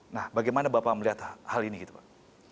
nah bagaimana bapak melihat hal ini gitu pak